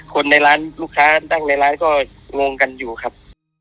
คนในร้านลูกค้านั่งในร้านก็งงกันอยู่ครับ